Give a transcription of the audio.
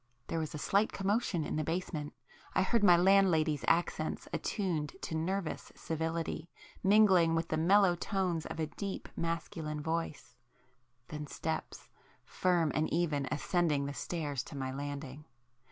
There was a slight commotion in the basement,—I heard my landlady's accents attuned to nervous civility, mingling with [p 17] the mellow tones of a deep masculine voice,—then steps, firm and even, ascended the stairs to my landing.